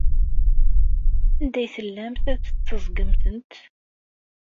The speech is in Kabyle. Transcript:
Anda ay tellamt tetteẓẓgemt-tent?